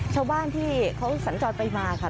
ชาวบ้านที่เขาสัญจรไปมาค่ะ